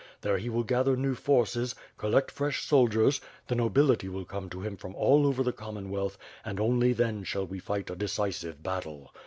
There he will gather new forces, collect fresh soldiers, the nobility will come to him from all over the Commonwealth and only then shall we fight a de cisive battle.